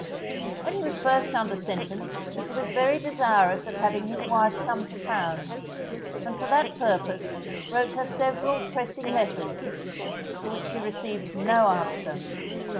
When he was first under sentence he was very desirous of having his wife come to town, and for that purpose wrote her several pressing letters, to which he received no answer.